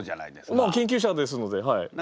まあ研究者ですのではい。